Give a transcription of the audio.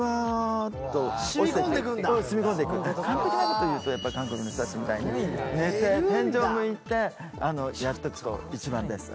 完璧なこと言うと韓国の人たちみたいに寝て天井向いてやっとくと一番ベスト。